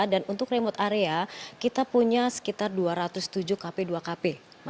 dan untuk remote area kita punya sekitar dua ratus tujuh kpp